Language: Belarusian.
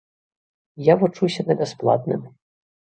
Я вучуся на бясплатным.